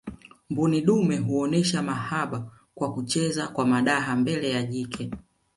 mbuni dume huonesha mahaba kwa kucheza kwa madaha mbele ya jike